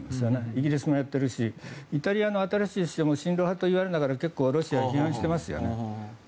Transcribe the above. イギリスもやっているしイタリアの新しい首相も親ロ派といわれて結構ロシアを批判していますね。